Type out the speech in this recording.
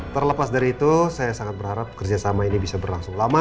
terlepas dari itu saya sangat berharap kerjasama ini bisa berlangsung lama